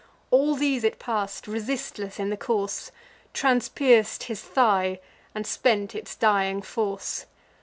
All these it pass'd, resistless in the course, Transpierc'd his thigh, and spent its dying force.